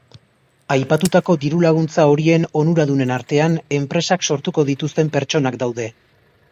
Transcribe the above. Aipatutako diru-laguntza horien onuradunen artean, enpresak sortuko dituzten pertsonak daude.